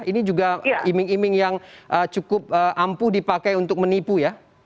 ini juga iming iming yang cukup ampuh dipakai untuk menipu ya